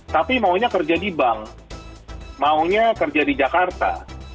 tapi maunya kerja di bank maunya kerja di jakarta